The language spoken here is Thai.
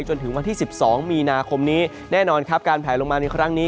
จนถึงวันที่๑๒มีนาคมนี้แน่นอนครับการแผลลงมาในครั้งนี้